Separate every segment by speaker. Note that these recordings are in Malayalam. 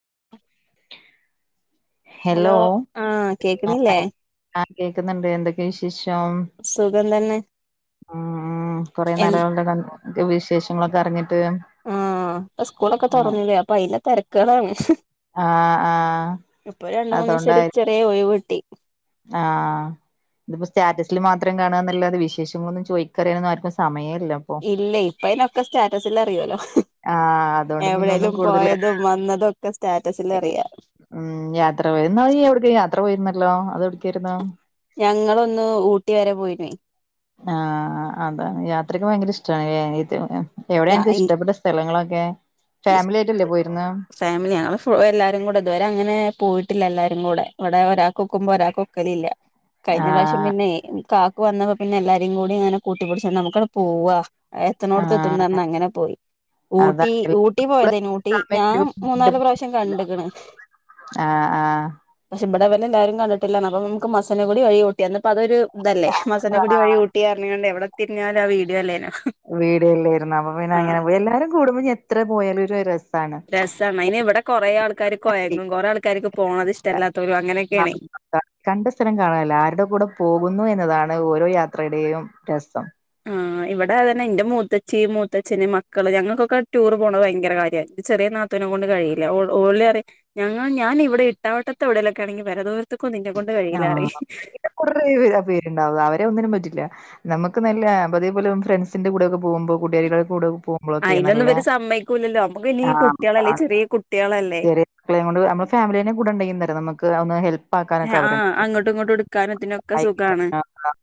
Speaker 1: [inaudible]
Speaker 2: ഹലോ
Speaker 1: ആഹ് കേക്കണില്ലേ
Speaker 2: കേക്കുന്നുണ്ട് എന്തൊക്കെയ വിശേഷം
Speaker 1: സുഖം തന്നെ
Speaker 2: കൊറെേ
Speaker 1: എ
Speaker 2: നാളായല്ലോ കണ്ടിട്ട് വിശേഷങ്ങളൊക്കെ അറിഞ്ഞി-
Speaker 1: ആഹ സ്കൂളൊക്കെ തുറന്നില്ലേ അപ്പൊ അയിന്റെ തിരക്കുകളാണ്
Speaker 2: ആഹ്
Speaker 1: ഇപ്പൊ രണ്ട മൂന്ന് ദിവസായിട്ട്
Speaker 2: അതുകൊണ്ടായി
Speaker 1: ഒരു ചെറിയ ഒഴിവിട്ടി-
Speaker 2: ആഹ് ഇതിപ്പോ സ്റ്റാറ്റസിൽ മാത്രം കാണാന്നല്ലാതെ വിശേഷങ്ങളൊന്നും ചോയ്ക്കറിയാനും ആർക്കും സമയ-
Speaker 1: ഇല്ലേ ഇപ്പ അയ്നൊക്കെ സ്റ്റാറ്റസലിറിയോല്ലോ
Speaker 2: ആഹ് അതുകൊണ്ട് പിന്നെ ഒന്നും
Speaker 1: എവിടേലും
Speaker 2: കൂടുതൽ
Speaker 1: പോയതും വന്നതും ഒക്കെ സ്റ്റാറ്റസിൽ അറിയാം
Speaker 2: ഉം യാത്ര പോയി ഇന്നാളിയ്യ് എവ്ടക്കാ യാത്ര പോയിരുന്നല്ലോ അതെവ്ട്ക്കേനു
Speaker 1: ഞങ്ങളൊന്ന് ഊട്ടി വരെ പോയി
Speaker 2: ആഹ് അതാണ് യാത്രൊക്കെ ഭയങ്കര ഇഷ്ടാനനില്ലേ എവിടെ അൻക്കിഷ്ടപ്പെട്ട സ്ഥലങ്ങളൊക്കെ ഫാമിലി ആയിട്ടല്ലേ
Speaker 1: ഇഷ്ട്-
Speaker 2: പോയിരുന്നെ
Speaker 1: ഫാമിലിയാ ഞങ്ങള് എല്ലാരും കൂടെ ഇതുവരെ അങ്ങനെ പോയിട്ടില്ല എല്ലാരും- കൂടെ ഇവിടെ ഒരാൾക്കൊക്കുമ്പോ ഒരാക്ക് ഒക്കലില്ല കഴിഞ്ഞ പ്രാവശ്യം
Speaker 2: ആഹ്
Speaker 1: പിന്നെ കാ- വന്നപ്പോ പിന്നെ എല്ലാരിം കൂടെ ങ്ങനെ കൂട്ടിപ്പിടിച്ച് നമുക്കങ്ങനെ പോവാ ഏതാണാടത്തുഎത്തും
Speaker 2: ആഹ്
Speaker 1: പറഞ്ഞു അങ്ങനെ പോയി ഊട്ടി
Speaker 2: അതാണ്
Speaker 1: ഊ- പോയതേനു ഊട്ടി ഞാൻ മൂന്നാല് പ്രാവശ്യം കണ്ട്ക്ക്ണ്
Speaker 2: ആഹ്
Speaker 1: പക്ഷേ- എവിടെ വരെ ഉണ്ട് എന്ന് അറിയത്തില്ല എല്ലാരും കണ്ടിട്ടില്ലന്ന അപ്പ നമുക്ക് മസനകുടി വഴി ഊട്ടി ഇപ്പതൊരു ഇതല്ലേ മസനകുടി വഴി
Speaker 2: ആഹ്
Speaker 1: ഊട്ടിന്ന് പറഞ്ഞ് കാണ്ട് എവിടെ തിരിഞ്ഞാലും ആ വീഡിയോ അല്ലേനോ
Speaker 2: വീഡിയോല്ലേർന്നാ. അപ്പൊ പിന്നെ
Speaker 1: ആഹ്
Speaker 2: അങ്ങനെ എല്ലാരും കൂടുമ്പോ എത്ര പോയാലും ഒരു രസം
Speaker 1: ര സാണ് ഇനി ഇവിടെ കൊറേ ആൾക്കാർ കൊയങ്ങും കുറെേ ആൾക്കാർക്ക് പോണത് ഇഷ്ടമല്ലാത്തോരും അങ്ങനക്കേണേ
Speaker 2: ആഹ് കണ്ട സ്ഥലം കാണാനല്ല ആരുടെ കൂടെ പോകുന്നു എന്നതാണ് ഓരോ യാത്രയുടെയും രസം
Speaker 1: ആ ഇവിടെ അതന്നെ എന്റെ മൂത്തച്ച്ചി മൂത്തച്ഛന് മക്കള് ഞങ്ങൾക്കൊക്കെ ടൂർ പോകണത് ഭയങ്കര കാര്യാണ് ഇത് ചെറിയ നാത്തൂനെ കൊണ്ട് കയീല്ല ഒലറിം ഞങ്ങൾ ഞാൻ ഇവിടെ ഇട്ടാവട്ടത്തൊവ്ടേലാണ്ടെങ്കി വരാ ദൂരത്ത്
Speaker 2: ആഹ അ- കുറെ പേരുണ്ടാവ അവരെ ഒന്നിനും പറ്റില്ല നമുക്ക് നല്ല അതേപോലെ ഫ്രണ്ട്സിന്റെ കൂടെക്കെ- പോകുമ്പോൾ കുട്ടികാരികളെ കൂടെ പോകുമ്പോഴൊക്കെ
Speaker 1: അയിനൊന്നും
Speaker 2: നല്ല
Speaker 1: ഇവര് സമ്മയ്ക്കൂലല്ലോ നമ്മുക്ക് ഇനി ഈ കുട്ട്യാളല്ലേ
Speaker 2: ആണ്
Speaker 1: ചെറിയ കുട്ട്യാളല്ലേ
Speaker 2: ചെറിയമക്കളെയും കൊണ്ട് നമ്മളെ ഫാമിലിനേയും കൂടെണ്ടെങ്കിലെന്താറിയോ നമുക്ക് ഒന്ന് ഹെൽപ്പാക്കാൻ
Speaker 1: ആ അങ്ങോട്ടും ഇങ്ങോട്ടും എടുക്കാനുംതിനൊക്കെ സുഖാണ്
Speaker 2: ആ,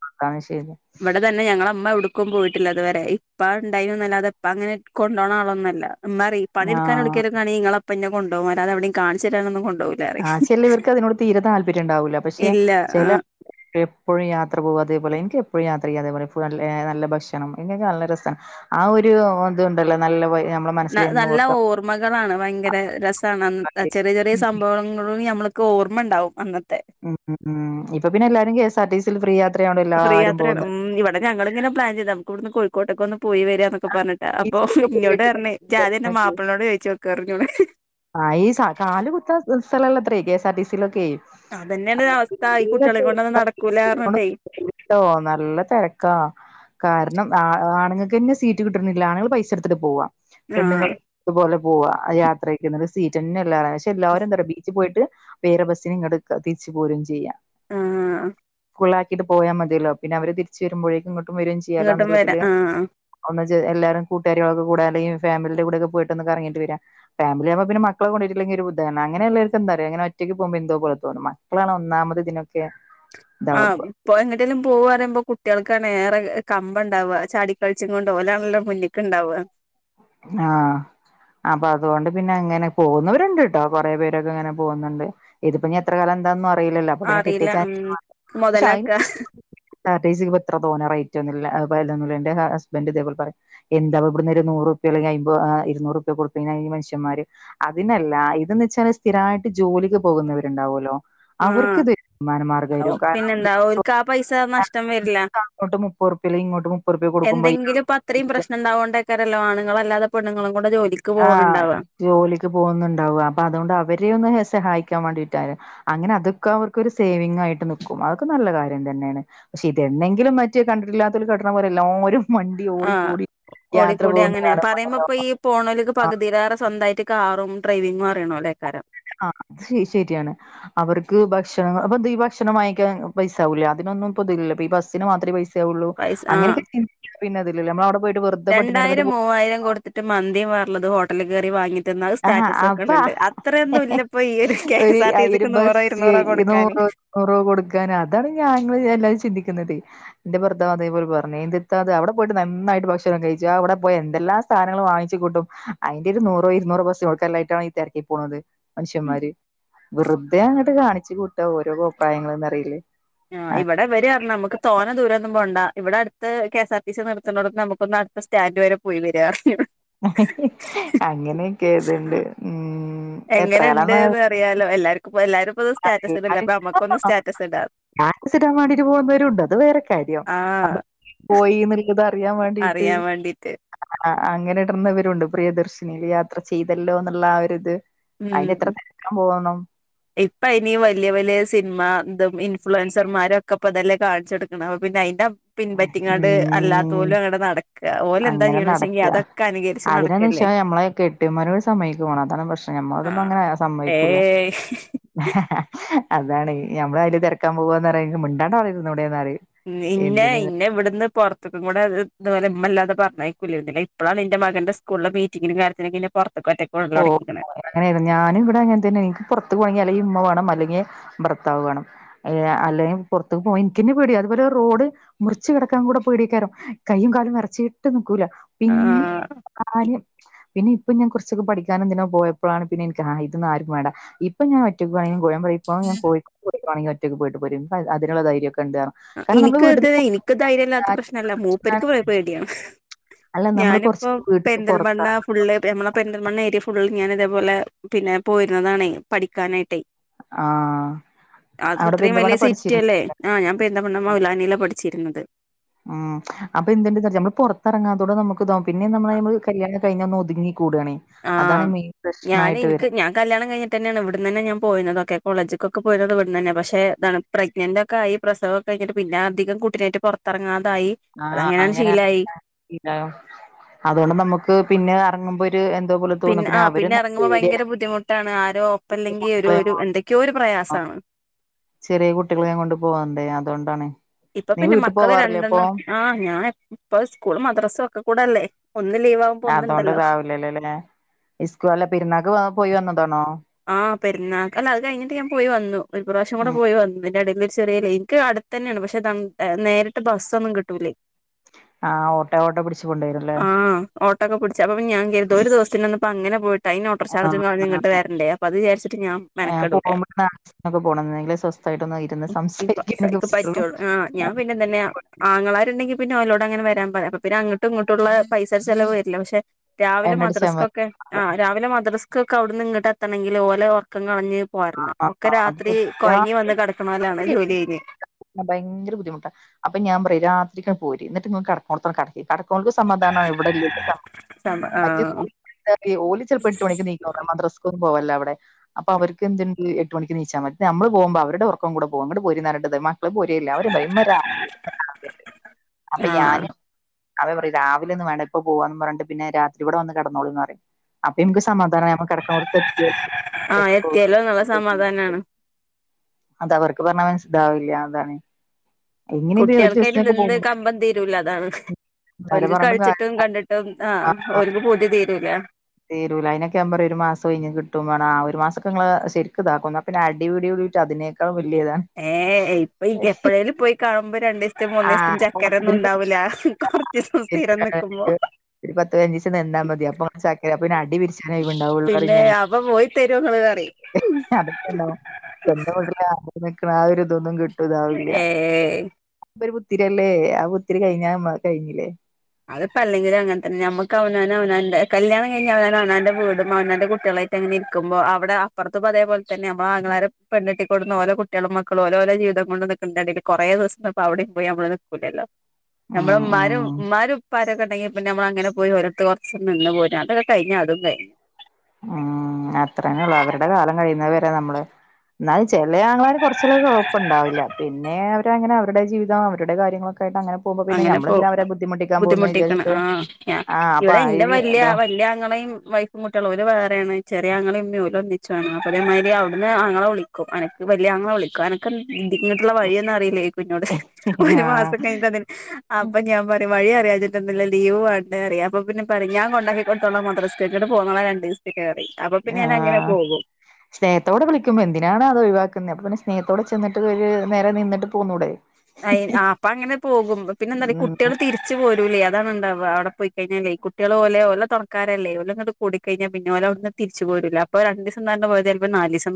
Speaker 2: അതാണ് ശരി
Speaker 1: ഇവിടെ തന്നെ ഞങ്ങളെമ്മ എവുട് പോയിട്ടില്ല ഇതുവരെ ഇപ്പ ഉണ്ടായിനുന്നല്ലാതെ ഇപ്പ അങ്ങനെ കൊണ്ടൊണാളോന്നും അല്ല ഉമ്മ പറിയും പണി എടുക്കാനോ
Speaker 2: ആഹ്
Speaker 1: എവ്ടുക്കൊലാണെങ്കി ഇങ്ങളോപ്പന്നെ കൊണ്ടോവും അല്ലാതെ എവിടെയും കാണിചേരാനൊന്നും കോ
Speaker 2: ആശയല്ല ഇർക്ക് അതിനോട് തീരെ താല്പര്യ ഉണ്ടാവൂല്ല പക്ഷെ
Speaker 1: ഇല്ല ആഹ്
Speaker 2: ചിലഎപ്പോഴും യാത്ര പോകും അതേപോലെ- എനിക്ക് എപ്പോഴും യാത്ര ചെയ്യ അതേപോലെ നല്ല ഭക്ഷണം ഇങ്ങനെക്കെ നല്ല രസാണ് ആ ഒരുത്ണ്ടല്ലോ നല്ല വൈ നമ്മളെ മനസ്സിൽ എന്നും
Speaker 1: നല്ല
Speaker 2: ഓർക്കാൻ
Speaker 1: ഓർമ്മകളാണ് ഭയങ്കര രസാണ്
Speaker 2: പറ്റുന്ന ഒരു-
Speaker 1: ചെറിയ ചെറിയ സംഭവങ്ങൾ നമ്മ ഓർമ്മയുണ്ടാവും അതാ
Speaker 2: ഉം ഉം ഇപ്പൊ പിന്നെ എല്ലാരും കെ എസ് ആർ ടി സിൽ ഫ്രീ യാത്രയായോണ്ട്
Speaker 1: ഫ്രീ
Speaker 2: എല്ലാരും
Speaker 1: യാത്രാണ് ഉം
Speaker 2: പോകുന്നുണ്ട്
Speaker 1: ഇവിടെഞങ്ങളിങ്ങനെ പ്ലാൻ ചെയ്ത് നമ്മക്കിവടുന്ന് കോഴിക്കോട്ടേക്കൊന്ന് പോയി വരിയാന്നൊക്കെ പറഞ്ഞിട്ട അപ്പൊ
Speaker 2: ബീച്ചിലൊക്കെ
Speaker 1: ഇന്നോട് പറഞ്ഞ് ഇജാതിയന്റെ
Speaker 2: പോയിട്ട്
Speaker 1: മാപ്പിളിനോട് ചോയിചോക്ക് പറഞ്ഞു
Speaker 2: ആ ഈ കാല് കുത്തൻ സ്ഥലല്ലത്രേ കെഎസ് ആർ ടി സിയിലൊക്കെ
Speaker 1: അതന്നെയാണ് അവസ്ഥ ഈ
Speaker 2: നല്ല
Speaker 1: കുട്യാളെ കൊണ്ടോന്നും നടക്കൂല പറഞ്ഞിട്ടെ
Speaker 2: ഓ നല്ല തിരക്കാ കാരണം അ ആണുങ്ങൾക്ക് തന്നെ സീറ്റ് കിട്ടുണില്ല ആണുങ്ങൾ പൈസ എടുത്തിട്ട് പോവാ പെണ്ണുങ്ങൾ
Speaker 1: ആഹ്
Speaker 2: അതുപോലെ പോവാ യാത്രക്കുന്നത് സീറ്റേന്നെല്ല പക്ഷെ എല്ലാരും എന്താറിയോ ബീച്ചിൽ പോയിട്ട് വേറെ ബസ്സിന് ഇങ്ങട് ക്ക തിരിച്ചു പോരും ചെയ്യാ
Speaker 1: ആ
Speaker 2: സ്കുളാക്കിട്ട് പോയാ മതിയല്ലോ പിന്നെ അവര് തിരിച്ചു വരുമ്പോഴേക്കും ഇങ്ങോട്ടും വരയും ചെയ്യാലാ
Speaker 1: ഇങ്ങോട്ടും വരാ
Speaker 2: എന്നുള്ളതില്
Speaker 1: ആഹ്
Speaker 2: എല്ലാരും കൂട്ടുകാരികളക്കെകു‌ടെ അല്ലെങ്കി ഫമിലിന്റെ കൂടെ ഒക്കെ ഒന്ന് പോയിട്ടൊന്ന് കറങ്ങീട്ട് വരാ ഫമിലി ആകുമ്പോ പിന്നെ മളെ കൊണ്ടരി അല്ലെങ്കിൽ ബുധന അങ്ങനെയുള്ളള്ളർക്ക എന്താറിയോ അങ്ങനെ ഒറ്റയ്ക്ക് പോക്പോ എന്തോപോലെ തോന്നും മക്കളാണ് ഒന്നാമത് ഇതിനൊക്കെ
Speaker 1: ആ
Speaker 2: ഇതാവ
Speaker 1: ഇപ്പൊ എങ്ങേട്ടെങ്കിലും പോവാ പറയുമ്പോ കുട്യാൾക്ക ണെറെ കമ്പംണ്ടാവ ചാടി കളിച്ചുങ്ങോണ്ട് ഓലാണല്ലോ മുന്നിക്ക്ണ്ടാവ
Speaker 2: ആ അപ്പൊ അതുകൊണ്ട് പിന്നെ അങ്ങനെ പോകുന്നവരുണ്ട്ട്ടോ കൊറെ പേരൊക്കെ അങ്ങനെ പോകുന്നുണ്ട് ഇതിപ്പനി എത്ര കാലം എന്താന്ന് യില്ലല്ലോ അപ്പൊ പിന്നെ
Speaker 1: അറിയില്ല ഉം
Speaker 2: കിട്ടിയചാൻസ് [inaudible] പക്ഷെ
Speaker 1: മൊതലാക്ക
Speaker 2: അയിന് ടി സി ക്ക് പ്പത്ര റെറ്റൊന്നുല്ല അ ഇപ്പൊ അ എന്റെ ഹസ്ബന്ഡ് ഇതേപോലെ പറയും എന്താപ്പാവടന്ന് ഇ നൂറുപ്യാ അല്ലെങ്കി അയ്മ്പത് ആ ഇുരുനുറുപ്യ കൊടുതുകഴിഞ്ഞ ഈ മനഷ്യന്മാര് അതിനല്ല ഇതന്ന് വെച്ചാല് സ്ഥിര ട്ട് ജോലിക്ക് പോകുന്നവരുണ്ടാവുലോ
Speaker 1: ആഹ്
Speaker 2: അവർകിത് മനമാർ [unintelligible] കാരണം
Speaker 1: പിന്നെന്താ
Speaker 2: ദിവസവും
Speaker 1: ഓൽക്ക് ആ പൈസ നഷ്ടം വരില്ല
Speaker 2: [inaudible] അങ്ങോട്ടും ഇങ്ങോട്ടും മുപ്പർപ്യ അല്ലെങ്കിൽ ഇങ്ങോട്ട് മുപ്പർപ്യ കൊടുക്കുമ്പോ അയിനാ
Speaker 1: [unintelligible] ആണ്ങ്ങളല്ലാതെ പെണ്ണ്ങ്ങളും
Speaker 2: ആ ജോലിക്ക് പോകുന്നുണ്ടാവും അപ്പൊ അതോണ്ട് അവരെയോന്ന് സഹായി ക്കാൻ വണ്ടിട്ടായിൻ അങ്ങനെ അതൊക്കെ അവർക്കോരു സേവിംങ്ങായിട്ട് നിക്കും അതൊക്കെ നല്ല കാര്യം തന്നെണ് പക്ഷെത എന്നെങ്കിലും മറ്റെ കണ്ടിട്ടില്ലാത്തൊര് കട്ട്ണെ പോലെ എല്ലാരും മണ്ടി
Speaker 1: ആഹ്
Speaker 2: ഓടിക്കൂടി യാത്ര
Speaker 1: ഓടിക്കൂടി
Speaker 2: പോകുന്ന
Speaker 1: അങ്ങനെ
Speaker 2: കാലം
Speaker 1: പറയുമ്പോ ഇപ്പൊ
Speaker 2: വന്നല്ലോന്ന
Speaker 1: ഈ പോണോല്ക്ക് പകുതിയിലേറെ സ്വന്തായിട്ട് കാറും ഡ്രൈവിങ്ങും അറിയണോല്ലേക്കാരം
Speaker 2: ആഹ ശ ശരിയാണ് അവർക്ക് ഭക്ഷണം അപ്പന്ത ഈ ഭക്ഷണം വാങ്ങിക്കാൻ പൈസാവൂല്ലതിന നൊന്നും പ്പോത്തില്ലല്ലോ അപ്പൊ ഈ ബസ്സ്ന് മാത്രെ ഈ പൈസ ള്ളൂ
Speaker 1: പൈസ ആഹ്
Speaker 2: അങ്ങനെയൊക്കെ [inaudible] പിന്നെ അതില് നമ്മളവിടെ പോയിട്ട് വെറുതെ പട്ടിണികെടന്നിട്ട് പോ
Speaker 1: ഉള്ളത് ഹോട്ടൽ കെറി വാങ്ങി ന്ന അത്
Speaker 2: ആഹ്
Speaker 1: സ്റ്റാറ്റസ്
Speaker 2: അപ്പ
Speaker 1: വെക്ണണ്ട് അത്രയൊന്നും ഇല്ലപ്പോ ഈ ഒരു കെ എസ് ആർ ടി സിക്ക് നൂറോ ഇരുന്നൂറോ കൊടുക്കാൻ
Speaker 2: റോ കൊടുക്കാനതാണ് ഞങ്ങള് എല്ലാവരും ചിന്തിക്ക ന്നത് എന്റെ ഭർതാവ് അതേപോലെ പറഞ്ഞ് എന്തേയ്തത് അവിടെ പോയിട്ട് നന്നായിട്ട് ഭക്ഷണം കഴിച്ചു അവിടെ പോയ എന്തെല്ല സാനങ്ങൾ വാങ്ങിച്ച് കൂട്ടും അതിന്റെ ഒരു നൂറോ ഇരുന്നൂറോ [unintelligible] പോണത് മനുഷ്യന്മാര് വെറുതെ അങ്ങട്ട് കാണിച്ച് കൂ ഓരോ കോപ്രായങ്ങളൾനഅറിയില്
Speaker 1: ആ ഇവിടെ വര്പറഞ്ഞ് നമുക്ക് തോനെ ദൂരോന്നും പോണ്ടാ ഇവിടെ അടുത്ത് കെസ് ആർ ടി സി നിർത്തുന്നോടതന്ന് നമ്മക്കോന്നട്ത്തസ്റ്റാന്റ് വരെ പോയി വരാറിഞ്ഞു
Speaker 2: അങ്ങനെയൊക്കെ ഏതണ്ട് ഉം. എത്ര കാലം
Speaker 1: എങ്ങന്ണ്ട്ന്ന് അറിയാലോ, എല്ലാർക്കുംപ്പ എല്ലാരും ഇപ്പം സ്റ്റാറ്റസ് ഇടല അപ്പൊ അമ്മക്കൊന്ന് സ്റ്റാറ്റസ് ഇടാ
Speaker 2: സ്റ്റാറ്റസ് ഇടാൻവാണ്ടിട്ട് പോണബരൂണ്ട് അത് വേറെ കാര്യം അ
Speaker 1: ആഹ്
Speaker 2: പോയിന്ന്ള്ളത് അറിയാൻ വാണ്ടീട്ട്.
Speaker 1: അറിയാൻ വേണ്ടീട്ട്
Speaker 2: അങ്ങനെ ഇട്ന്നവരൂണ്ട്, പ്രിയദർശിനീൽ യാത്ര ചെയ്തല്ലോ എന്നുള്ള ആഒരിത്.
Speaker 1: ഉം
Speaker 2: അയിന് എത്ര [inaudible] പോകണം.
Speaker 1: ഇപ്പ അയിനി വലിയ വലിയ സിൻമാതും ഇൻഫ്ലുവൻസർമാരും ക്കെ ഇപ്പതെല്ലെ കാണിച്ചെടുക്കണെ അപ്പ പിന്നയിന്റെ പിൻപറ്റിങ്ങാട്
Speaker 2: ഉം
Speaker 1: അല്ലാത്തോലും അങ്ങട്ട് നടക്ക, ഓല് എന്താ ചെയ്യണവെച്ചെങ്കീ അതൊക്കെ അനുകരിച്ച്
Speaker 2: പക്ഷ
Speaker 1: നടക്കല്ലേ
Speaker 2: ഞമ്മളെ കെട്ടിയോന്മാരോട് സമ്മയ്ക്കും വേണം അതാണ് പ്രശ്നം, ക്ഷെ ഞമ്മളതൊന്നും
Speaker 1: ആഹ്
Speaker 2: അങ്ങനെ സമ്മയ്ക്കൂല.
Speaker 1: ഏയ്
Speaker 2: അതാണ് ഞമ്മള് അയില് തിരക്കാൻ പോകുവന്നറിയെങ്കീ മിണ്ടാണ്ട് അവ്ടെ ഇരുന്നോ [inaudible]
Speaker 1: ന്നെ ഇവിടുന്ന് പുറ ത്തുക്കും കൂടെ ദ് ഓലെമ്മല്ലാണ്ട് പറഞ്ഞക്കോന്നുല്ല ഇപ്പോളാണ് ഇന്റെ മകന്റെ സ്കൂളിലെ മീറ്റിങ്ങിനും കാര്യത്തിനൊക്കെ ന്നെ
Speaker 2: ഓ അങ്ങനേരുന്നു ഞാനും ഇവിടെ അങ്ങൻത്തന്നെ ഇൻക്ക് പൊറത്ത് പോണെങ്കീ അല്ലെങ്കീ മ്മ വാ അല്ലെങ്കീ ഭർത്താവ് വാണം അല്ലെെ പൊറത്ത്ക്ക് പോവാ ഇൻക്കെന്നെ പേട്യാ അതുപോലെ റോഡ് മുർച്ച് റച്ച് കടക്കാങ്കൂടെ പേടിയാക്കാരം കയ്യും കാലും വെറച്ചീട്ട് നിക്കൂല. പിന്നെ ആ
Speaker 1: ആഹ്
Speaker 2: പിന്നെ ഇപ്പൊ ഞാൻ കൊറ പഠിക്കാനോ എന്തിനോ പോയപ്പോളാണ് പിന്നെ ഇൻക്ക് ആ ഇതൊന്നും ആരും വാണ്ടാ, ഇപ്പം ഞാഒറ്റക്കൊവാണെ [unintelligible] കോഴിക്കോടോവാണെങ്കിൽ ഒറ്റക്ക് പോയ്ട്ട്പോരും പ്പം അതിന്ള്ള ധൈര്യം
Speaker 1: ഇനിക്ക് ഇത് ഇനിക്ക് ധൈര്യല്ലാത്ത പ്രശ്നല്ല മൂപ്പർക്ക് പോടിയാ
Speaker 2: അല്ല നമ്മള് കുറച്ച്
Speaker 1: ഞാനിപ്പോ
Speaker 2: വീട്ടിൽ
Speaker 1: പെര്ന്തൽമണ്ണ
Speaker 2: പുറത്തിറങ്ങ
Speaker 1: ഫുള്ള് ഞമ്മളെ പെര്ന്തൽമണ്ണ ഏരിയ ഫുള്ള് ഞാൻ ഇതേപോലെ പിന്നെ പോയിനിന്നതാണേ പഠിക്കാനായിട്ടേ-
Speaker 2: ആ അവിടെ
Speaker 1: അതിത്രയും
Speaker 2: പെരിന്തൽമണ്ണ
Speaker 1: വലിയ സിറ്റി
Speaker 2: പഠിച്ചിരുന്നു
Speaker 1: അല്ലേ, ആഹ് ഞാൻ [inaudible] മൗലാനീലാ പഠിച്ചിര്ന്നത്.
Speaker 2: ആഹ് അപ്പൊ [unintelligible] ഞമ്മള് പുറത്തിറങ്ങാത്തോടെ നമു തോനുംപിന്നെ [unintelligible] കല്യാണെ കഴിഞ്ഞാ ഒന്ന് ഒത്ങ്ങി
Speaker 1: ആഹ്, ഞാൻ ഇൻക്ക്
Speaker 2: വരുന്നത്
Speaker 1: ഞാൻ കല്യാണം കഴിഞ്ഞിട്ടെന്നെയാണ് ഇവിടന്നെന്നെ ഞാൻ പോയിന്നതൊക്കെ. കോളേജ്ക്കൊക്കെ പോയിർന്നത് ഇവിടന്ന്ന്നെ പക്ഷെ താണ് പ്രഗ്നന്റൊക്കായി പ്രസവംക്കെ കഴ്ഞ്ഞിട്ട് പിന്നെ അധികം കുട്ടിനായിട്ട് പൊറത്തെറങ്ങാ
Speaker 2: ആഹ് അങ്ങനെ, അതോണ്ട് നമ്മുക്ക് പിന്നെ എറങ്ങുമ്പോ ഒര്-
Speaker 1: പിന്നെ, ആഹ് പിന്നെ എറങ്ങുമ്പോ ഭയങ്കര ബുദ്ധിമുട്ടാണ് ആരോ ഒപ്പല്ലെങ്കിൽ ഒരു
Speaker 2: മക്കളെ
Speaker 1: ഒരു എന്തൊക്ക്യോ ഒര് പ്രയാസാണ്.
Speaker 2: ചെറിയ കുട്ടികളേയും കൊണ്ട് പോവണ്ടേ അതോണ്ടാണ്.
Speaker 1: ഇപ്പൊ പിന്നെ മക്കള് രണ്ടെണ്ണം ആ ഞാൻ ഇപ്പോ സ്കൂള് മദ്രസ ഒക്കെക്കൂടല്ലേ.
Speaker 2: അതോണ്ട് ഇതാവില്ലല്ലോല്ലേ ഇസ്കൂ അല്ല പെരുന്നാക്ക് പോയി വന്നതോണോ
Speaker 1: ആ പെരുന്നാക്ക് അല്ല അത് കഴിഞ്ഞിട്ട് ഞാൻ പോയി വന്നു ഒരു പ്രാവശ്യം കൂടെ
Speaker 2: ഉം
Speaker 1: പോയി വന്ന് അതിന്റ ഇടയിൻ മേൽ ഒരു ചെറിയ എൻക്ക് അടുത്ത് തന്നെയാണ് പക്ഷെ നേരിട്ട് ബസ്സൊന്നും കിട്ടൂലേ
Speaker 2: ആഹ് ഓട്ടോ ഓട്ടോ പിടിച്ച് കൊണ്ടുവരുംല്ലേ
Speaker 1: ആ ഓട്ടോ ഒക്കെ പിടിച്ച അപ്പൊ പിന്നെ ഞാൻ കരുതും ഒരു ദിവസത്തിനൊന്നും അപ്പ അങ്ങനെപോയിട്ട് അയിന് ഓട്ടോ
Speaker 2: ആഹ്
Speaker 1: ചാർജും കളഞ്ഞ്
Speaker 2: ആഹ്
Speaker 1: ഇങ്ങട്ട് വ അപ്പോ അത് വിചാരിച്ചിട്ട് ഞാൻ
Speaker 2: ഏഹ്
Speaker 1: മെനക്കെടൂല്ലാ
Speaker 2: പോകുമ്പോ ഒക്കെ പോണം എന്നെങ്കിലേ സ്വസ്ഥായിട്ടൊന്ന് ഇരുന്ന്
Speaker 1: [unintelligible]
Speaker 2: സംസാരിക്കാനൊക്കെ
Speaker 1: പറ്റുള്ളൂ ആ ഞാൻ പിന്നെ തന്നെ ആങ്ങളമാരുണ്ടെങ്കിൽ പിന്നെ ഓലോട് അങ്ങനെ വരാൻ പറയും അപ്പോ പിന്ന അങ്ങട്ടും ഇങ്ങട്ടുമുള്ള പൈസ ചെലവ് വരില്ലാ പക്ഷെ രാവിലെ
Speaker 2: എണ്ണടിച്ചാ മതി
Speaker 1: മദ്രസക്കൊക്കെ ആ രാവിലെ മദ്രസക്കൊക്കെ അവിടുന്ന് ഇങ്ങട്ട് എത്തണെങ്കിൽ ഓലെ ഒറക്കം കളഞ്ഞ് വരണം ഒക്കെ രാത്രി
Speaker 2: ആ
Speaker 1: കൊഴഞ്ഞ് വന്ന് കെടക്കണോലാണ്
Speaker 2: രാത്രി
Speaker 1: ജോലി കെെഞ്ഞ്
Speaker 2: ഭയങ്കര ബുദ്ധിമുട്ടാ അപ്പ ഞാൻ പറയും രാത്രിക്ക് പോരി എന്നിട്ട് ഇങ്ങള് കെടക്കുന്നിടത്ത് [unintelligible] കെടക്കണോർക്കും സമാധാനം ആവും ഇവിടുള്ളോർക്കും സ
Speaker 1: സമ ആ
Speaker 2: [unintelligible] ഓല് ചെലപ്പോ എട്ട് മണിക്ക് എണീക്കും മദ്രസക്കൊന്നും പോവലില്ല അവിടെ അപ്പൊ അവർ ഇല്ലങ്കിൽ എട്ട് മണിക്ക് എണീച്ചാ മതി ഇത് ഞമ്മള് പോകുമ്പോ അവരുടെ ഒറക്കം കൂടെ പോവും അങ്ങട്ട് പോരീന്ന് പറഞ്ഞിട്ട് ഇതേമേ പോരല്ല അവര് [inaudible] അപ്പോ
Speaker 1: ആ
Speaker 2: ഞാന് അവര് പറയും രാവിലെയൊന്നും വേണ്ട ഇപ്പ പോവാന്ന് പറഞ്ഞോണ്ട് പിന്നെ രാത്രി ഇവടെ വന്ന് കെടന്നോളും എന്ന് പറയും അപ്പൊ ഞമ്മക്ക് സമാ ധാനമാവും കിടക്കാണോടത്ത് എത്തി [unintelligible]
Speaker 1: എല്ലാം നല്ല സമാധാനാണ്
Speaker 2: അത് അവർക്ക് പറഞ്ഞാ മനസി ഇതാവില്ല അതാണ് എങ്ങനെങ്കിലും ഒരു
Speaker 1: കുട്ടികൾക്ക് അതിൽ
Speaker 2: ദിവസത്തിനൊക്കെ
Speaker 1: നിന്ന്
Speaker 2: പോകുമ്പോ
Speaker 1: കമ്പം തീരൂല അതാണ്
Speaker 2: ആരെ
Speaker 1: ഓൽക്ക്
Speaker 2: പറഞ്ഞിട്ടും കാര്യ
Speaker 1: കളിച്ചിട്ടും കണ്ടിട്ടും ആഹ് ഓൽക്ക് പുതി തീരൂല.
Speaker 2: തീരൂല അതിനൊക്കെ ഞാൻ പറയും ഒരു മാസം കഴിഞ്ഞ് കിട്ടൂന്ന് പറഞ്ഞ് ആ ഒരു മാസവൊക്കെ നിങ്ങള് ശരിക്ക് ഇതാക്കും എന്നാ പിന്നെ അടിപിടി കൂടിയിട്ട് അതിനേക്കാൾ വ
Speaker 1: ഏഹ് ഇപ്പൊൻക് എപ്പഴേലും പോയി കാണുമ്പോ രണ്ടിസ് ത് മൂന്നീസ്ത്
Speaker 2: ആഹ്
Speaker 1: ന്
Speaker 2: അപ്പൊ
Speaker 1: ചക്കര ഒന്നും
Speaker 2: അതിന്
Speaker 1: ഉണ്ടാവുല്ല കൊർച്ചീസം സ്ഥീരം നിക്കുമ്പോ.
Speaker 2: ഒരു പത്ത് പയ്നഞ്ചിസംനിന്നാമതി അപ്പൊ [unintelligible] അപ്പൊ അടി പിരിച്ചാനെ ഒഴിവ്ണ്ടാവൊള്ളുറിം
Speaker 1: പിന്നെ
Speaker 2: ഞാന്
Speaker 1: അപ്പൊ പോയി [unintelligible]
Speaker 2: എഹ് അതൊക്കെ ണ്ടാവും [unintelligible] ആ ഒരു ഇതൊന്നും കി
Speaker 1: ഏയ്
Speaker 2: പ ഒരു പുത്തിരില്ലേ ആ പുത്തിരി കഴിഞാമ്മ കഴിഞ്ഞില്ലേ
Speaker 1: അത്പ്പ അല്ലെങ്കിലും അങ്ങൻതന്നെ നമുക്ക് അവനാന് അവാന്റെ കല്യാണം കഴിഞ് അവന് അവനാന്റെ വീടും അവാന്റെ കുട്ടിളെ ന്നെട്ടെങ്ങനെ ഇര്ക്കുമ്പോ അവിടെ അപ്പർത് പൊ അതേപൽതന്നെ അമ്മങ്ങളാരെ പെണ്ണേട്ടിക്കൂടുന്ന ഓര കുട്ട്യളും മക്കളും ഓലോലായി ജീവിതം [unintelligible] കൊറേ ദിവസതെ പ്പ അവിടെ പോയി നമ്മള് നിക്കൂലല്ലോ
Speaker 2: ഉം
Speaker 1: നമ്മളമ്മാരും
Speaker 2: ഉം
Speaker 1: ഉമ്മാരും പാരൊക്കെ ഉണ്ടെങ്കിപിന്നെ നമ്മ അങ്ങനെ പോയി ഓരത്ത് കുറച്ച നിന്ന് പോരാ അതൊക്കെ കഴിഞ്ഞ അതും കഴിഞ്ഞ്
Speaker 2: ഉം അത്രനേ ഉള്ളൂ അവരുടെ കാലം കഴിയുന്ന വരെ നമ്മള് എന്നാലും ചെല ആങ്ങളാര് കുറചാള് കുഴപ്പണ്ടാവില്ല. പിന്നെ അവരങ്ങനെ അവരുടെ ജീവിതം അവരുടെ കാര്യങ്ങളൊക്കെ ക്കായിട്ട് അങ്ങനെ പോകുമ്പോ പിന്നെ
Speaker 1: അങ്ങനെ പോ
Speaker 2: ഞമ്മളെന്തിന അവരെ ബുദ്ധിമുട്ടിക്കാൻ പോകന്ന്
Speaker 1: ബുദ്ധിമുട്ടിക്കണ്
Speaker 2: വിചാരിച്ചട്ട്
Speaker 1: ആഹ്
Speaker 2: ആ അപ്പൊ അയ്‌വി
Speaker 1: ന്റ അങ്ങളെയും വൈഫും കുട്ട്യോളും ഓര് വേറെയാണ്. ചെറിയ അങ്ങളും ഇമ്മയും ഓര് ഒന്നിച്ചാണ് അരേമാതിരി അവിടുന്ന് ആങ്ങള വിളിക്കും അനക്ക് വല്ല്യ ആങ്ങള വിളിക്കും അനക്കെ ഇ ഇങ്ങിട്ടുള്ള വഴിയൊന്നു അറിയില്ലേ പിന്നോട് ഒരു മാസം
Speaker 2: ആഹ്
Speaker 1: കഴിഞ്ഞട്ടതിന് അപ്പ ഞാൻ പറ വഴി അറിയാഞ്ഞിട്ട്ന്നല്ല ലീവുണ്ട് അറിയാം അപ്പ പിന്നെ പറഞ്ഞാ കൊണ്ടാക്കി കൊടുതൊളാംമദ്രസെക്കട്ട് പോന്നോള രണ്ട് കയറി.
Speaker 2: ആഹ് സ്നേഹത്തോടെ വിളിക്കുമ്പോ എന്തിനാണ് അത് ഒഴിവാക്കുന്നെ അപ്പൊ പിന്നെ സ്നേഹത്തോടെ ചെന്നിട്ട് ഒരു നേരെം നിന്നിട്ട് പോന്നൂടെ.
Speaker 1: അ അപ്പൊ അങ്ങനെ പോകും പിന്നെന്താ ഈ
Speaker 2: ഉം
Speaker 1: കുട്ട്യോള് തിരിച്ച് പോരൂലേ അതാണ് ഇണ്ടാവ അവിടെ പോയി കഴിഞാലെ കുട്ടികൾ പോലെഓല്ല തുണക്കാരല്ലേ കൂട കഴിഞ്ഞാ പിന്നെ ഓരവിടന്ന് തിരിച്ചുപോരൂല്ല. അപ്പോ ര ദിവസം പോയ ചെലപ്പം നാലിസം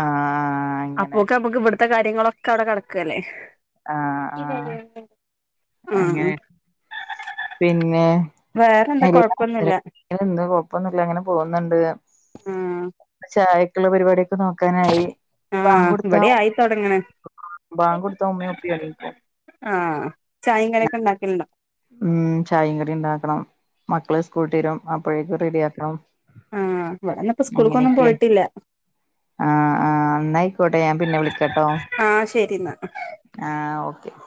Speaker 2: ആഹ് അങ്ങനെ
Speaker 1: ഇത്തെ കാര്യങ്ങളൊക്കെ അവിടെ കെടക്കല്ലേ
Speaker 2: ആഹ് ആഹ്
Speaker 1: ആഹ്
Speaker 2: അങ്ങനെ പിന്നെ എല്ലാ
Speaker 1: കൊഴപ്പൊന്നുല്ല
Speaker 2: ഒന്നും കൊഴപ്പൊന്നുല്ല അങ്ങനെ പോകുന്നുണ്ട്.
Speaker 1: ആ
Speaker 2: ചായക്കുള്ള പരിപാടിക്കെ നോക്കാനായി
Speaker 1: ആ
Speaker 2: പാൻ കൊടുത്ത
Speaker 1: ഇവിടെ ആയി തൊടങ്ങണ്
Speaker 2: ബാങ്ക് കൊടുത്ത ഉമ്മേ ഉപ്പെ എണീക്കും.
Speaker 1: ആ ചായയും കടിയൊക്കെ ഉണ്ടാക്കലുണ്ടോ
Speaker 2: ഉം ചായെം കടി ഉണ്ടാക്കണം. മക്കളെ സ്കൂൾ തീരും അപ്പോഴേക്കും റെഡിയാക്കണം.
Speaker 1: ആഹ് ഇവിടെന്നപ്പോ സ്കൂൾക്കൊന്നും
Speaker 2: അങ്ങനെയൊക്കെയാണ്
Speaker 1: പോയിട്ടില്ല.
Speaker 2: ആഹ് ആഹ് എന്നായിക്കോട്ടെ ഞാൻ പിന്നെ വിളിക്കട്ടോ.
Speaker 1: ആ ശരി എന്നാ
Speaker 2: ആ ഓ അ [inaudible]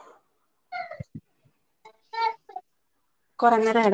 Speaker 1: കുറഞ്ഞ